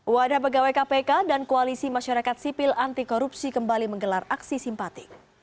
wadah pegawai kpk dan koalisi masyarakat sipil anti korupsi kembali menggelar aksi simpatik